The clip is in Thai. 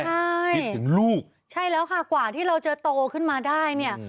ใช่คิดถึงลูกใช่แล้วค่ะกว่าที่เราจะโตขึ้นมาได้เนี่ย